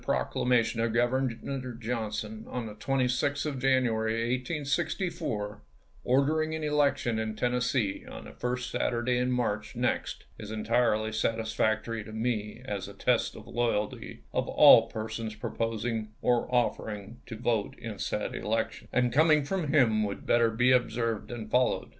proclamation of Governor Johnson, on the 26th of January, 1864, ordering an election in Tennessee on the first Saturday in March next, is entirely satis i864. factory to me as a test of loyalty of all persons proposing, or offering, to vote in said elections; and coming from him would better be observed and followed.